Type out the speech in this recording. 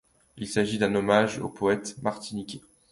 Il s’agit d’un hommage au poète martiniquais.